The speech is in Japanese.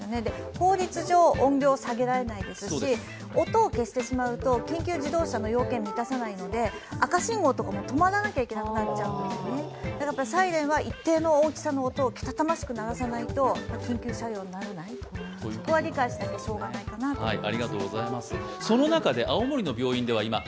法律上、音量を下げられないですし音を消してしまうと緊急自動車の要件を満たさないので、赤信号とか止まらなきゃいけなくなってしまうんですね、サイレンは一定の音をけたたましく鳴らさないと緊急車両にならないそこは理解しなければいけないかと思います。